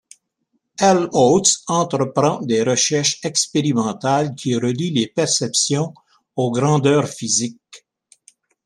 Helmholtz entreprend des recherches expérimentales qui relient les perceptions aux grandeurs physiques.